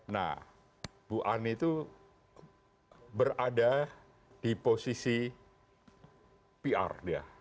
nah ibu ani tuh berada di posisi pr dia